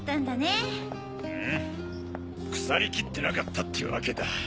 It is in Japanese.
腐りきってなかったっていうわけだ。